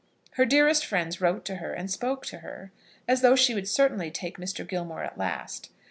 Her dearest friends wrote to her and spoke to her as though she would certainly take Mr. Gilmore at last.